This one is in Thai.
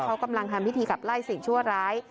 เขากำลังทำพิธีขับไล่สิ่งชั่วร้าย